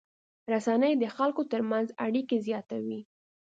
رسنۍ د خلکو تر منځ اړیکې زیاتوي.